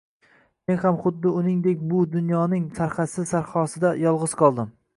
Men ham xuddi uningdek bu dunyoning sarhadsiz sahrosida yolg`iz qoldim